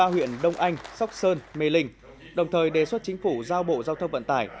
ba huyện đông anh sóc sơn mê linh đồng thời đề xuất chính phủ giao bộ giao thông vận tải